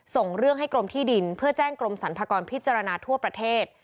ส่งเรื่องให้กรมที่ดินเพื่อแจ้งกรมสรรพากรพิจารณาทั่วประเทศ